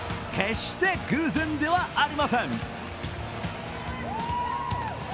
決して偶然ではありません。